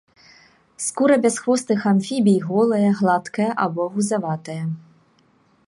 Скура бясхвостых амфібій голая, гладкая або гузаватая.